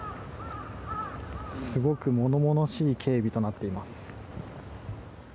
すごく物々しい警備となっています。